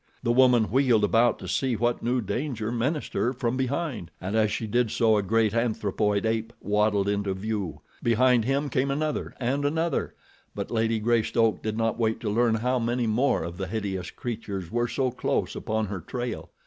The woman wheeled about to see what new danger menaced her from behind, and as she did so a great, anthropoid ape waddled into view. Behind him came another and another; but Lady Greystoke did not wait to learn how many more of the hideous creatures were so close upon her trail.